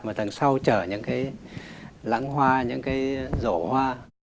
mà đằng sau chở những cái lãng hoa những cái rổ hoa